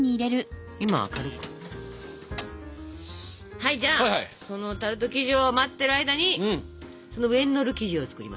はいじゃあそのタルト生地を待ってる間にその上にのる生地を作りましょうね。